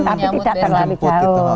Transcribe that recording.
tapi tidak terlalu jauh